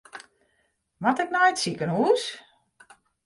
Moat ik nei it sikehús?